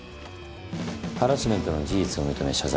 ハラスメントの事実を認め謝罪。